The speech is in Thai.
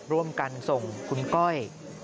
ร่วมกันส่งคุณก้อย